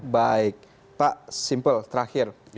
baik pak simple terakhir